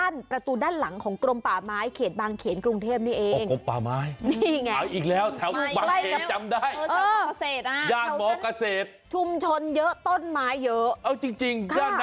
เอาจริงภรรณานั้นงูเหลือมเยอะหรอค่ะ